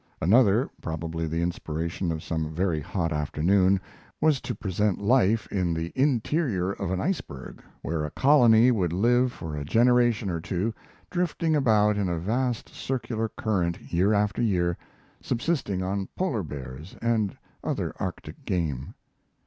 Another probably the inspiration of some very hot afternoon was to present life in the interior of an iceberg, where a colony would live for a generation or two, drifting about in a vast circular current year after year, subsisting on polar bears and other Arctic game.